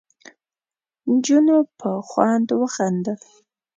نجونو په خوند خندل.